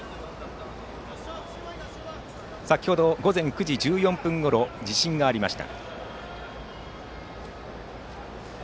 先程午前９時１４分ごろ地震がありました。